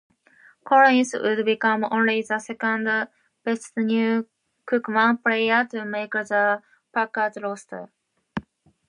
Collins would become only the second Bethune-Cookman player to make the Packers roster.